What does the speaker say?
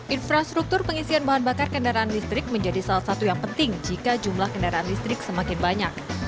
infrastruktur pengisian bahan bakar kendaraan listrik menjadi salah satu yang penting jika jumlah kendaraan listrik semakin banyak